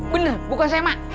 bener bukan saya mak